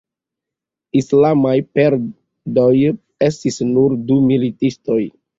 Islamaj perdoj estis nur du militistoj.